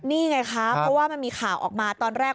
นี่ไงคะเพราะว่ามันมีข่าวออกมาตอนแรก